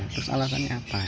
terus alasannya apa